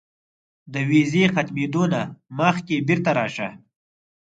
د ویزې ختمېدو نه مخکې بیرته راشه.